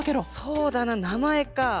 そうだななまえか。